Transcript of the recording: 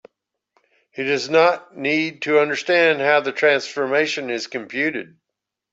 He does not need to understand how the transformation is computed.